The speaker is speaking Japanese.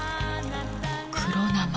黒生！